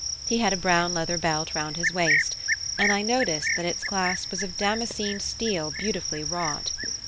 He had a brown leather belt round his waist, and I noticed that its clasp was of damascened steel beautifully wrought.